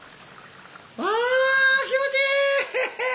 あ気持ちい！